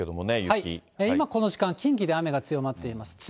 今、この時間、近畿で雨が強まっています。